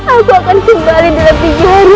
aku akan kembali dalam tiga hari